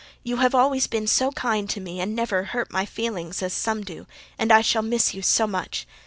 You have always been SO KIND to me and never hurt my feelings AS SOME DO and I shall miss you SO MUCH.